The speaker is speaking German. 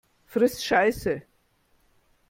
Friss Scheiße!